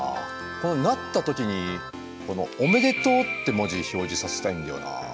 このなった時に「おめでとう！」って文字表示させたいんだよな。